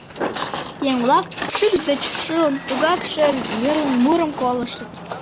Еҥ-влак, шикш деч шылын, тугак шӧрын йӧрлын, мурым колыштыт.